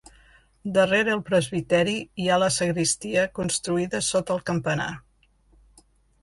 Darrere el presbiteri hi ha la sagristia construïda sota el campanar.